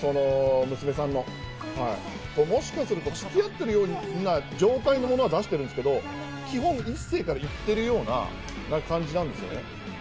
この娘さんの、はい、もしかするとつき合ってるような状態のものは出してるんですけど、基本、一星からいってるような感じなんですよね。